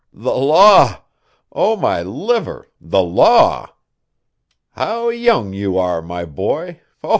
"The law! oh, my liver, the law! How young you are, my boy!